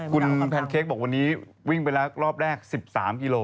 คุณแพนเค้กบอกวันนี้วิ่งไปแล้วรอบแรก๑๓กิโล